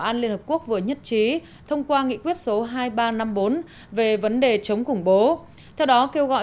an liên hợp quốc vừa nhất trí thông qua nghị quyết số hai nghìn ba trăm năm mươi bốn về vấn đề chống khủng bố theo đó kêu gọi